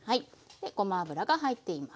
でごま油が入っています。